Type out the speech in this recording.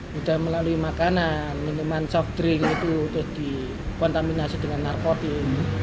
sudah melalui makanan minuman soft drink itu sudah dikontaminasi dengan narkotim